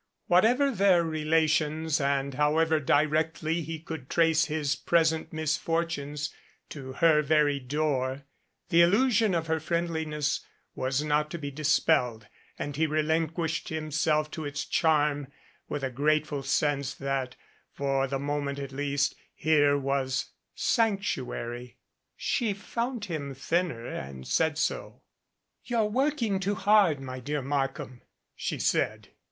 Whatever their relations and however directly he could trace his present misfortunes to her very door, the illusion of her friendliness was not to be dispelled, and he relinquished himself to its charm with a grateful sense that, for the moment at least, here was sanctuary. She found him thinner and said so. 281 MADCAP "You're working too hard, my dear Markham," she said.